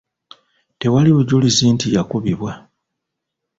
Tewaaliwo bujulizi nti yakubibwa.